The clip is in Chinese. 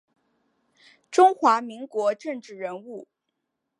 中华民国政治人物。